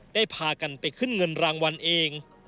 ได้พากันไปขึ้นเงินรางวัลเอง